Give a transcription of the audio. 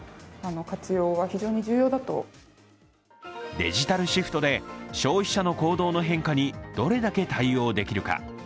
デジタルシフトで消費者の行動の変化にどれだけ対応できるか。